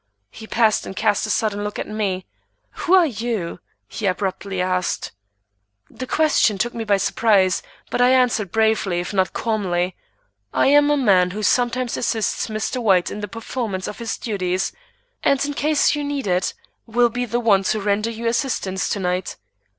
He paused and cast a sudden look at me. "Who are you?" he abruptly asked. The question took me by surprise, but I answered bravely if not calmly: "I am a man who sometimes assists Mr. White in the performance of his duties, and in case you need it, will be the one to render you assistance to night.